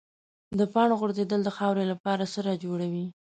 د پاڼو غورځېدل د خاورې لپاره سرې جوړوي.